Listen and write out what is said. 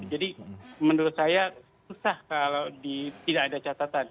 jadi menurut saya susah kalau tidak ada catatan